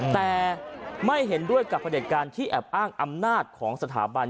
แต่ไม่เห็นด้วยกับประเด็จการที่แอบอ้างอำนาจของสถาบัน